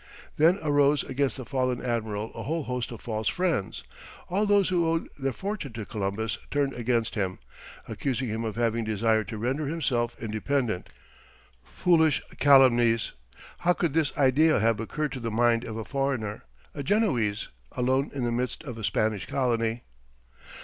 Then arose against the fallen admiral a whole host of false friends. All those who owed their fortune to Columbus turned against him; accusing him of having desired to render himself independent. Foolish calumnies! How could this idea have occurred to the mind of a foreigner, a Genoese, alone in the midst of a Spanish colony!